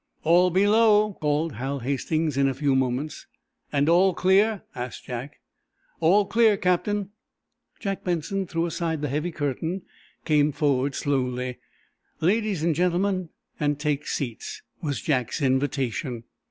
"All below," called Hal Hastings in a few moments. "And all clear?" asked Jack. "All clear, Captain." "Jack Benson threw aside the heavy curtain, come forward, slowly ladies and gentlemen, and take seats," was Jack's invitation.